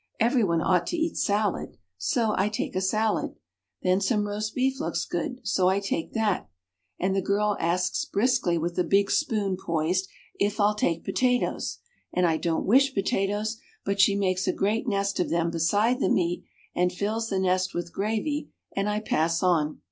Everyone ought to eat salad, so I take a salad. Then some roast beef looks good so I take that, and the girl asks briskly with a big spoon poised, if I'll take potatoes, and I don't wish potatoes, but she makes a great nest of them beside the meat and fills the nest with gravy and I pass on.